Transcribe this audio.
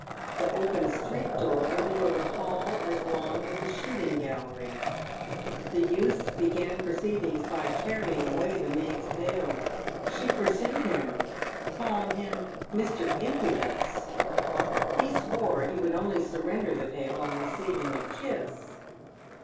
The open street door revealed a hall as long as a shooting gallery. The youth began proceedings by carrying away the maid's pail. She pursued him, calling him " Mr. Impudence." He swore he would only surrender the pail on receiving a kiss.